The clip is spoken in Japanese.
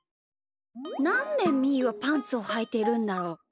なんでみーはパンツをはいてるんだろう？